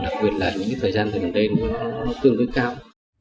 đặc biệt là những thời gian gần đây nó tương đối cao